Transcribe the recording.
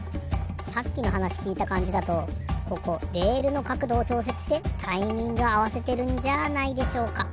さっきのはなしきいたかんじだとここレールのかくどをちょうせつしてタイミングあわせてるんじゃないでしょうか？